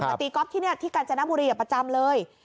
ตีก๊อฟที่นี่ที่กาญจนบุรีประจำเลย